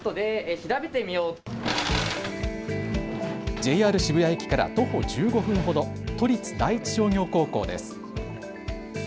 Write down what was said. ＪＲ渋谷駅から徒歩１５分ほど、都立第一商業高校です。